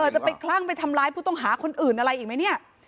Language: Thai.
จะไปคลั่งไปทำร้ายผู้ต้องหาคนอื่นอะไรอีกไหมเนี่ย